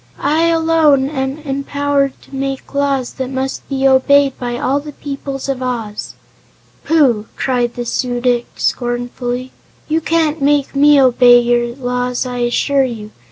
"I, alone, am empowered to make laws that must be obeyed by all the peoples of Oz." "Pooh!" cried the Su dic scornfully. "You can't make me obey your laws, I assure you.